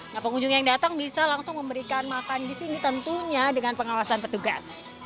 nah pengunjung yang datang bisa langsung memberikan makan di sini tentunya dengan pengawasan petugas